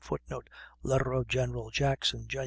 [Footnote: Letter of General Jackson, Jan.